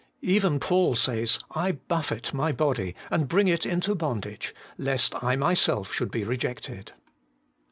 Even Paul says, 'I buffet my body, and bring it into bondage, lest I myself should be rejected.'